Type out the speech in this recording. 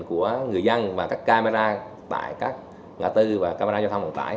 của người dân và các camera tại các ngã tư và camera giao thông vận tải